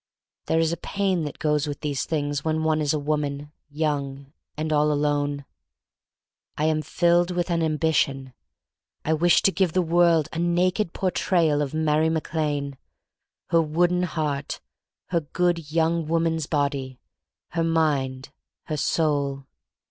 There is a pain that goes with these things when one is a woman, young, and all alone. I am filled with an ambition. I wish to give to the world a naked Portrayal of Mary Mac Lane: her wooden heart, her good young woman's body, her mind, her soul.